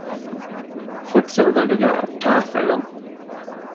ފުޓްސަލްދަނޑުގައި ޓަރފް އެޅުން